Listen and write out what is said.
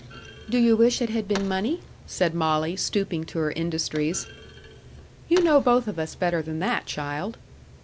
"Do you wish it had been money?" said Molly, stooping to her industries. "You know both of us better than that, child."